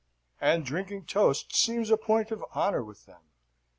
And drinking toasts seems a point of honour with them.